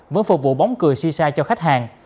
vẫn phục vụ bóng cười si sa cho khách hàng